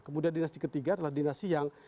kemudian dinasti ketiga adalah dinasti yang